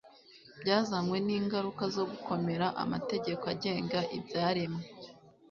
byazanywe ningaruka zo kugomera amategeko agenga ibyaremwe